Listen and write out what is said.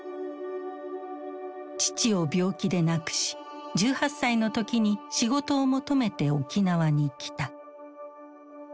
父を病気で亡くし１８歳の時に仕事を求めて沖縄に来た。